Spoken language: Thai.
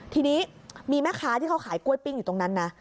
ทีนี้มีแม่ค้าที่เขาขายกล้วยปิ้งอยู่ตรงนั้นนะ